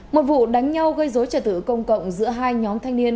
một vụ đánh nhau gây dối trật tự công cộng giữa hai nhóm thanh niên